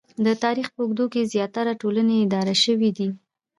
د تاریخ په اوږدو کې زیاتره ټولنې اداره شوې دي